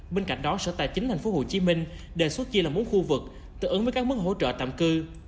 bên cạnh đó sở tài chính tp hcm đề xuất chia là bốn khu vực tự ứng với các mức hỗ trợ tạm cư